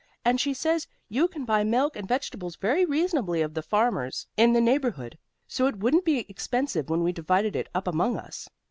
And she says you can buy milk and vegetables very reasonably of the farmers in the neighborhood, so it wouldn't be expensive when we divided it up among us."